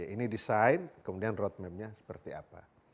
ini desain kemudian road mapnya seperti apa